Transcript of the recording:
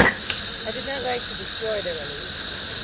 I did not like to destroy their illusions.